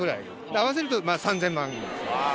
合わせるとまあ３０００万。